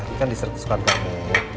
ini kan dessert kesukaan kamu